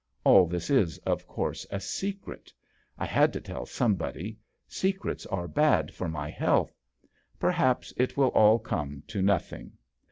All this is, of course, a secret. I had to tell somebody ; secrets are bad for my health. Perhaps it will all come to nothing."